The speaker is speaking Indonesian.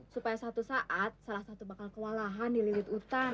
supaya satu saat salah satu bakal kewalahan di lilit hutan